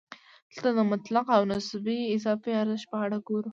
دلته د مطلق او نسبي اضافي ارزښت په اړه ګورو